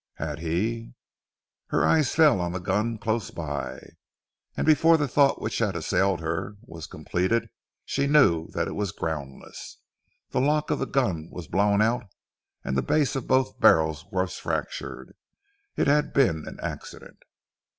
Had he ? Her eyes fell on the gun close by, and before the thought which had assailed her was completed she knew that it was groundless. The lock of the gun was blown out, and the base of both barrels was fractured. It had been an accident.